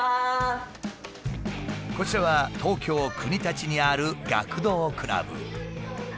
こちらは東京国立にある学童クラブ。